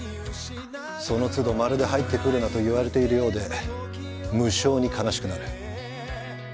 その都度まるで入ってくるなと言われているようで無性に悲しくなる。